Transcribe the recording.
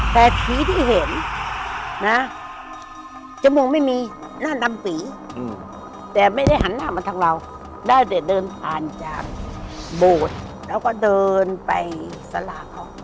แต่สีที่เห็นนะจมูกไม่มีหน้าดำปีแต่ไม่ได้หันหน้ามาทางเราได้แต่เดินผ่านจากโบสถ์แล้วก็เดินไปสลากเขา